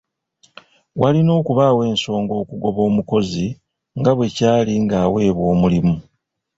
Walina okubaawo ensonga okugoba omukozi nga bwe kyali nga aweebwa omulimu.